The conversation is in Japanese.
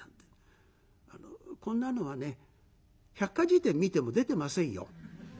こんなのはね「百科事典」見ても出てませんよ。